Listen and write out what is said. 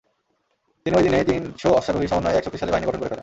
তিনি ঐ দিনেই তিনশ অশ্বারোহী সমন্বয়ে এক শক্তিশালী বাহিনী গঠন করে ফেলেন।